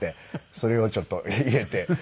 それをちょっと入れて。